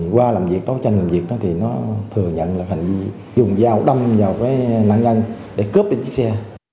qua làm việc đó chăn làm việc đó thì nó thừa nhận là phải dùng dao đâm vào cái nạn nhân để cướp đến chiếc xe